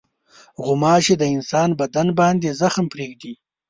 غوماشې د انسان بدن باندې زخم پرېږدي.